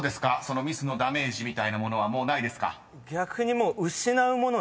ミスのダメージみたいなものはもうないですか？］